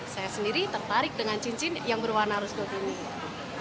saya sendiri tertarik dengan cincin yang berwarna rusduk ini